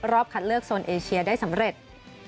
คัดเลือกโซนเอเชียได้สำเร็จ